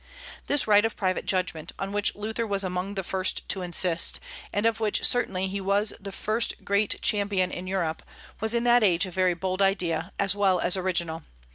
This right of private judgment, on which Luther was among the first to insist, and of which certainly he was the first great champion in Europe, was in that age a very bold idea, as well as original.